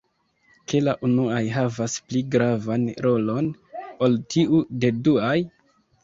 Ke la unuaj havas pli gravan rolon ol tiu de duaj?